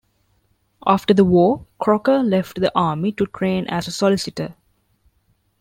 After the war, Crocker left the army to train as a solicitor.